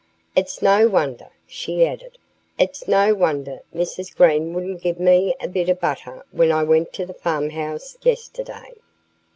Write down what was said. "It's no wonder " she added "it's no wonder Mrs. Green wouldn't give me a bit of butter when I went to the farmhouse yesterday.